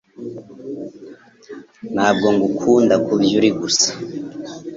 Ntabwo ngukunda kubyo uri gusa,